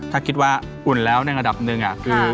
ถ้าคิดว่าอุ่นแล้วในระดับหนึ่งคือ